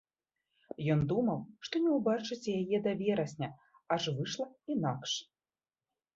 Ён думаў, што не ўбачыць яе да верасня, аж выйшла інакш.